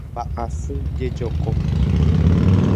Mba'asy jejoko.